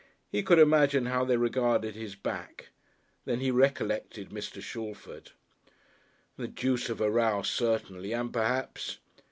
He could imagine how they regarded his back. Then he recollected Mr. Shalford.... The deuce of a row certainly and perhaps